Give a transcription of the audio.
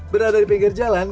berada di pinggir jalan